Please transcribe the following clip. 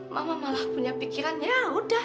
mama malah punya pikiran ya udah